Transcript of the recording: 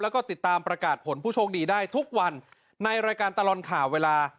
แล้วก็ติดตามประกาศผลผู้โชคดีได้ทุกวันในรายการตลอดข่าวเวลา